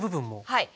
はい。